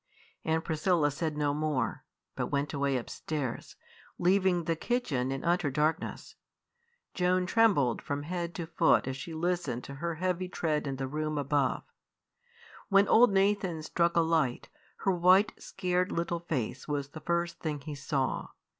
Aunt Priscilla said no more, but went away upstairs, leaving the kitchen in utter darkness. Joan trembled from head to foot as she listened to her heavy tread in the room above. When old Nathan struck a light, her white, scared little face was the first thing he saw.